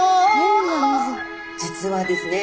実はですね